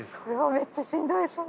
めっちゃしんどそう。